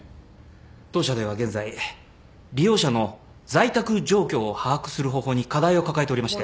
当社では現在利用者の在宅状況を把握する方法に課題を抱えておりまして。